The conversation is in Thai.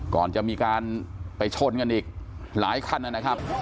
ก่อนจะมีการไปชนกันอีกหลายคันนะครับ